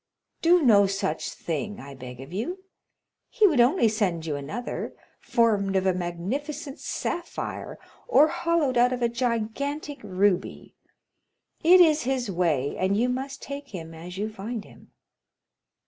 "Do no such thing, I beg of you; he would only send you another, formed of a magnificent sapphire, or hollowed out of a gigantic ruby. It is his way, and you must take him as you find him."